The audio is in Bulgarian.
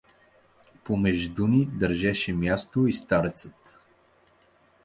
Помежду ни държеше място и старецът.